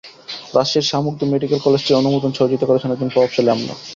রাজশাহীর শাহ মখদুম মেডিকেল কলেজটির অনুমোদনে সহযোগিতা করেছেন একজন প্রভাবশালী আমলা।